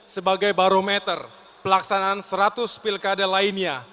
sebagai barometer pelaksanaan seratus pilkada lainnya